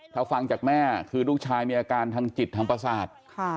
ถ้าฟังจากแม่คือลูกชายมีอาการทางจิตทางประสาท